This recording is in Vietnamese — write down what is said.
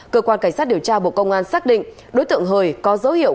cơ quan cảnh sát điều tra bộ công an xác định đối tượng hời có dấu hiệu